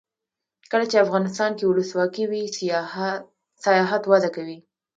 کله چې افغانستان کې ولسواکي وي سیاحت وده کوي.